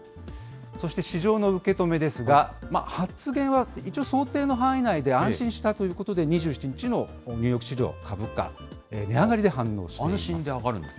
そして市場の受け止めですが、発言は一応想定の範囲内で安心したということで２７日のニューヨーク市場株価、値上がりで反応しています。